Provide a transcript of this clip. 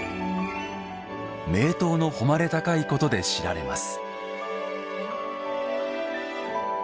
名刀の誉れ高いことで知られます。